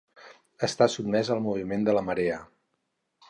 Està sotmès al moviment de la marea.